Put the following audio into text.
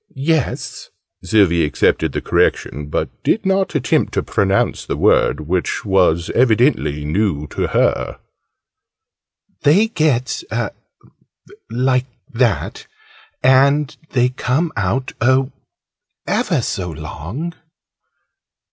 "Yes." Sylvie accepted the correction, but did not attempt to pronounce the word, which was evidently new to her. "They get like that and they come out, oh, ever so long!"